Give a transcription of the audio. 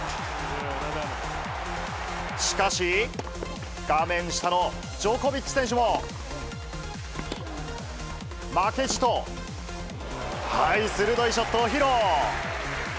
しかし、画面下のジョコビッチ選手も、負けじと、鋭いショットを披露。